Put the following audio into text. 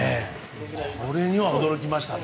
これには驚きましたね。